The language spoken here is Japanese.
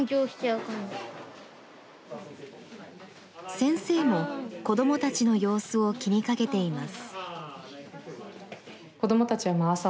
先生も子どもたちの様子を気にかけています。